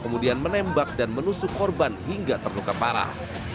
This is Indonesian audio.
kemudian menembak dan menusuk korban hingga terluka parah